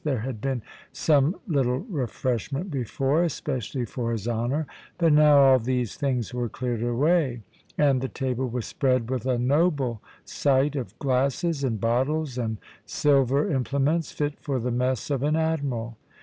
There had been some little refreshment before, especially for his Honour; but now all these things were cleared away, and the table was spread with a noble sight of glasses, and bottles, and silver implements, fit for the mess of an admiral.